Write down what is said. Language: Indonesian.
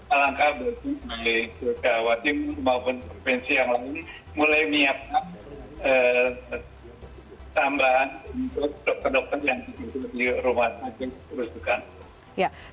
alangkah berarti di jogja wadim maupun provinsi yang lain mulai miyak tambahan untuk dokter dokter yang di rumah sakit berusaha